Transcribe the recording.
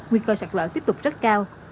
nguy cơ sạt lở tiếp tục rất cao